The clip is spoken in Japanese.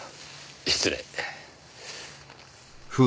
失礼。